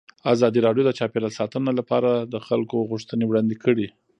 ازادي راډیو د چاپیریال ساتنه لپاره د خلکو غوښتنې وړاندې کړي.